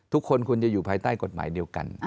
ทุกคนควรจะอยู่ภายใต้กฎหมายเดียวกัน